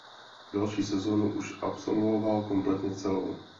Další sezónu už absolvoval kompletně celou.